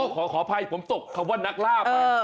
ขออภัยผมตกคำว่านักล่ามา